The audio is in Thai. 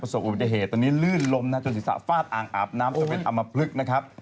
ประสบอุบัติเหตุตอนนี้ลื่นลมจนสิทธิศาสตร์ฟาดอ่างอาบน้ำจนเป็นอมพลึกนะครับ